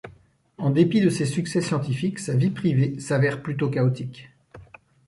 En dépit de ses succès scientifiques, sa vie privée s'avère plutôt chaotique.